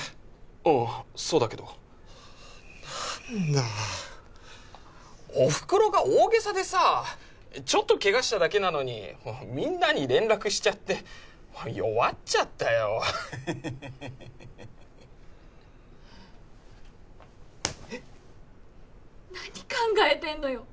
ああそうだけど何だおふくろが大げさでさちょっとケガしただけなのにみんなに連絡しちゃって弱っちゃったよえっ何考えてんのよ